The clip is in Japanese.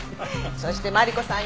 そしてマリコさんには。